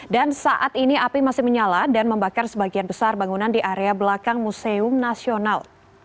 dan saat ini api masih menyala dan membakar sebagian besar bangunan di area belakang museum nasional